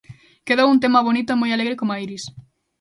Quedou un tema bonito e moi alegre coma Iris.